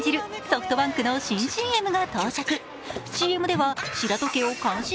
ソフトバンクの新ＣＭが解禁。